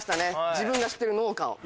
自分が知ってる農家を。